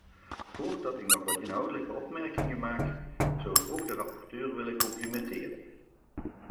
Voordat ik nog wat inhoudelijke opmerkingen maak, zou ik ook de rapporteur willen complimenteren.